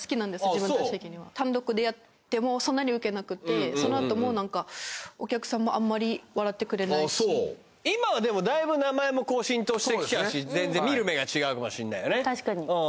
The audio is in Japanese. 自分たち的には単独でやってもそんなにウケなくてそのあともなんかお客さんもあんまり笑ってくれないし今はでもだいぶ名前も浸透してきたし全然見る目が違うかもしれないよね